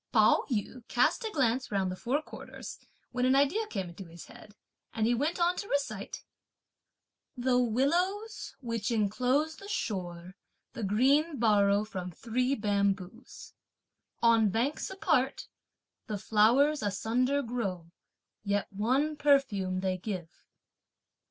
Pao yü cast a glance round the four quarters, when an idea came into his head, and he went on to recite: The willows, which enclose the shore, the green borrow from three bamboos; On banks apart, the flowers asunder grow, yet one perfume they give.